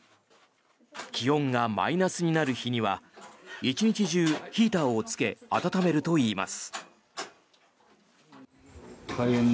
気温がマイナスになる日は１日中ヒーターをつけ暖めるといいます。